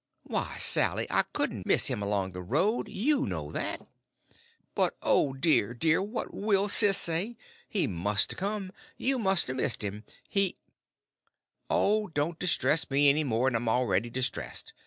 "Why, Sally, I couldn't miss him along the road—you know that." "But oh, dear, dear, what will Sis say! He must a come! You must a missed him. He—" "Oh, don't distress me any more'n I'm already distressed.